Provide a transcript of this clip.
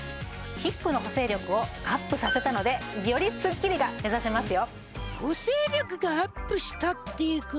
ヒップの補整力をアップさせたのでよりスッキリが目指せますよ